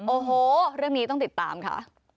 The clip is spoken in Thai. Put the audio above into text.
โอ้โหเรื่องนี้ต้องติดตามค่ะ